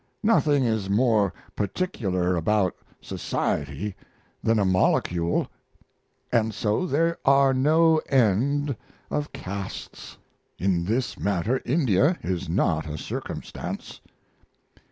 Nothing is more particular about society than a molecule. And so there are no end of castes; in this matter India is not a circumstance.